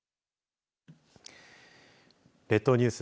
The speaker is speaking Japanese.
列島ニュース